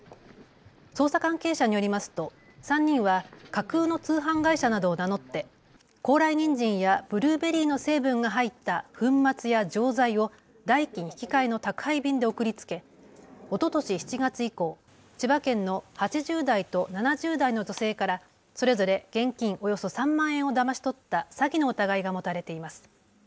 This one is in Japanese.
捜査関係者によりますと３人は架空の通販会社などを名乗って高麗にんじんやブルーベリーの成分が入った粉末や錠剤を代金引換の宅配便で送りつけおととし７月以降、千葉県の８０代と７０代の女性からそれぞれ現金およそ３万円をだまし取った詐欺の疑いが持たれています。